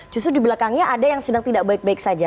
justru di belakangnya ada yang sedang tidak baik baik saja